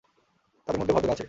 তাদের মধ্যে ভদ্রতা আছে।